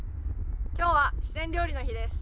今日は四川料理の日です。